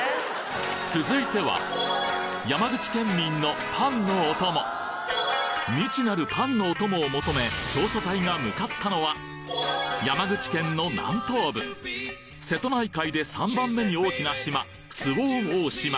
続いては山口県民のパンのお供未知なるパンのお供を求め調査隊が向かったのは山口県の南東部瀬戸内海で３番目に大きな島